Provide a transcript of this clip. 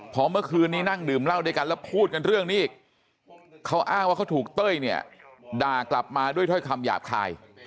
พอเมื่อคืนนี้นั่งดื่มเหล้าด้วยกันแล้วพูดกันเรื่องนี้อีกเขาอ้างว่าเขาถูกเต้ยเนี่ยด่ากลับมาด้วยถ้อยคำหยาบคาย